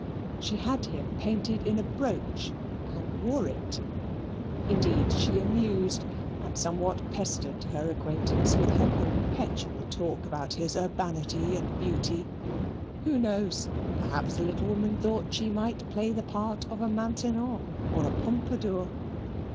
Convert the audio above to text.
She had him painted in a brooch and wore it indeed she amused and somewhat pestered her acquaintance with her perpetual talk about his urbanity and beauty. Who knows! Perhaps the little woman thought she might play the part of a Maintenon or a Pompadour.